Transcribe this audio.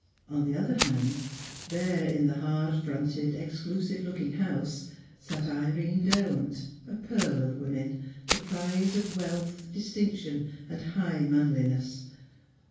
On the other hand, there in the hard fronted, exclusive looking house sat Irene Derwent, a pearl of women, the prize of wealth, distinction, and high manliness.